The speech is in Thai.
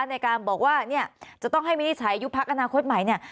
ในการบอกว่าจะต้องให้มินทิศใช้ยุคพรรคอนาคตหมายเนี่ย